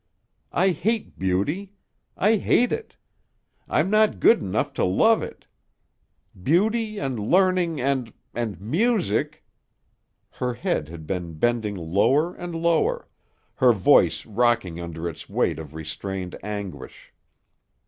I hate beauty. I hate it. I'm not good enough to love it. Beauty and learning and and music " Her head had been bending lower and lower, her voice rocking under its weight of restrained anguish.